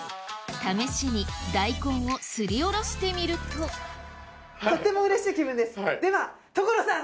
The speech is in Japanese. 試しに大根をすりおろしてみるととってもうれしい気分ですでは所さん